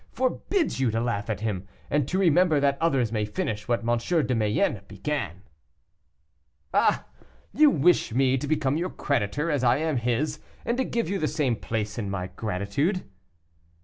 forbids you to laugh at him, and to remember that others may finish what M. de Mayenne began." "Ah! you wish me to become your creditor, as I am his, and to give you the same place in my gratitude."